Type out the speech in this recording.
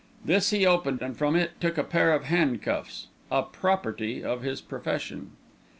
This he opened, and from it took a pair of handcuffs, a "property" of his profession.